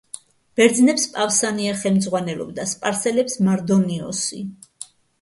ბერძნებს პავსანია ხელმძღვანელობდა, სპარსელებს მარდონიოსი.